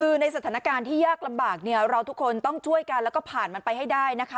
คือในสถานการณ์ที่ยากลำบากเนี่ยเราทุกคนต้องช่วยกันแล้วก็ผ่านมันไปให้ได้นะคะ